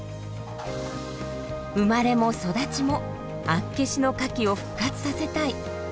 生まれも育ちも厚岸のカキを復活させたい。